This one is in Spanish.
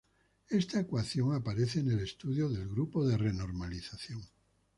Esta ecuación aparece en el estudio del grupo de renormalización.